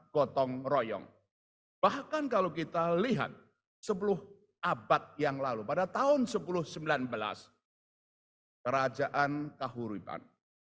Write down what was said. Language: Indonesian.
gotong royong bahkan kalau kita lihat sepuluh abad yang lalu pada tahun seribu sembilan ratus kerajaan kahuripan